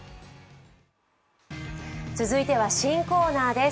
続いては新コーナーです。